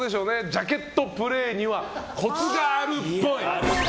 ジャケットプレーにはコツがあるっぽい。